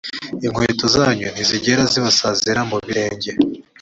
inkweto zanyu ntizigera zibasazira mu birenge.